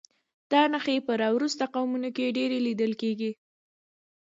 دا نښې په راوروسته قومونو کې ډېرې لیدل کېږي.